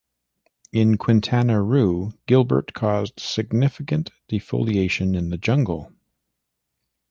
In Quintana Roo, Gilbert caused significant defoliation in the jungle.